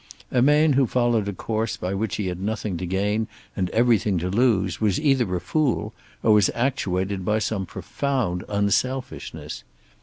A man who followed a course by which he had nothing to gain and everything to lose was either a fool or was actuated by some profound unselfishness.